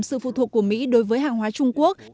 sự phụ thuộc của mỹ đối với hàng hóa trung quốc